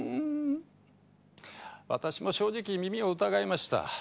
私も正直耳を疑いました。